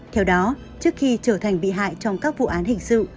theo đó trước khi trở thành bị hại trong các vụ án hình sự